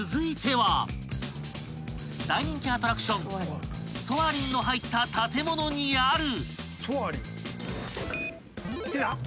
［大人気アトラクションソアリンの入った建物にある］